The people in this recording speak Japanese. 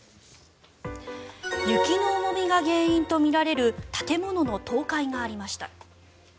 雪の重みが原因とみられる建物の倒壊がありました。